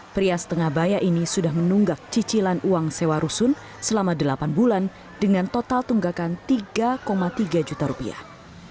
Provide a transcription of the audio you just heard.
pria setengah bayak ini sudah menunggak cicilan uang sewa rusun selama delapan bulan dengan total tunggakan tiga tiga juta rupiah